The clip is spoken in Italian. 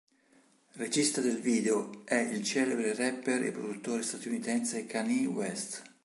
Regista del video è il celebre rapper e produttore statunitense Kanye West.